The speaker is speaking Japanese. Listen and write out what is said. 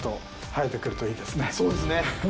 そうですね。